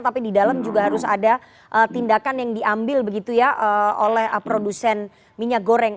tapi di dalam juga harus ada tindakan yang diambil begitu ya oleh produsen minyak goreng